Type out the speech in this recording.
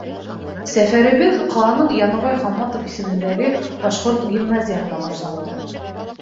Сәфәребеҙ ҡаланың Яныбай Хамматов исемендәге башҡорт гимназияһынан башланды.